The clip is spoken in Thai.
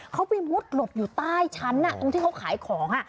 เขาไปมุดหลบอยู่ใต้ชั้นตรงที่เขาขายของ